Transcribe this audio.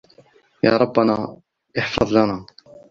يــــا ربَّنــــــا احفــــــظ لنــــــــا